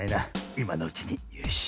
いまのうちによし。